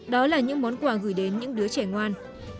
đó là những món quà gửi đến những đứa trẻ ngoan